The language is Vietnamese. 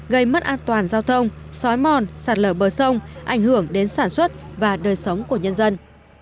gây mất an toàn giao thông xói mòn sạt lở bờ sông ảnh hưởng đến sản xuất và đời sống của nhân dân